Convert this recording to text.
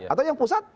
atau yang pusat